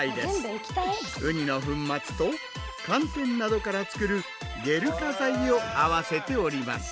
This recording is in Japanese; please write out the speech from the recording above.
ウニの粉末と寒天などから作るゲル化剤を合わせております。